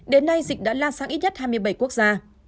đến nay dịch đã lan sang ít nhất hai mươi bảy quốc gia